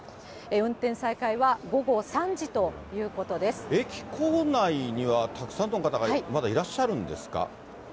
運転再開は午後３時ということで駅構内にはたくさんの方がまだいらっしゃるんですか？